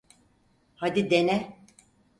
Hadi dene.